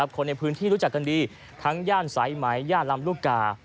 คนในพื้นที่รู้จักกันดีทั้งย่านสายไหมย่านลำลูกกา